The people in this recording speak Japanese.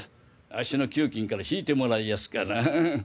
アッシの給金から引いてもらいやすから。